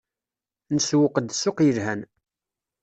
Nsewweq-d ssuq yelhan.